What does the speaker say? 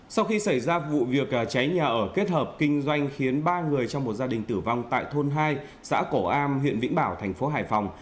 sau khi xảy ra vụ việc cháy nhà ở kết hợp kinh doanh khiến ba người trong một gia đình tử vong tại thôn hai xã cổ am huyện vĩnh bảo thành phố hải phòng